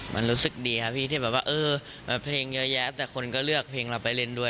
มันรู้สึกดีครับพี่ที่แบบว่าเออเพลงเยอะแยะแต่คนก็เลือกเพลงเราไปเล่นด้วย